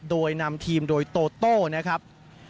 โดยนำทีมโดยโตโต้นะครับ